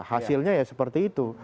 hasilnya ya seperti itu